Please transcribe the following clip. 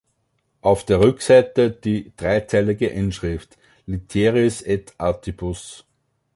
Auf der Rückseite die dreizeilige Inschrift Litteris et Artibus.